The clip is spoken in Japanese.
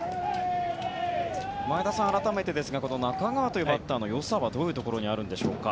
前田さん、改めてですが中川というバッターのよさはどういうところにあるんでしょうか。